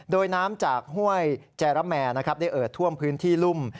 โดยน้ำจากห้วยแจระแมได้เอิดท่วมพื้นที่รุ่ม